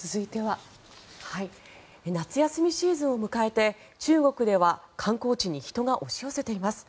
夏休みシーズンを迎えて中国では観光地に人が押し寄せています。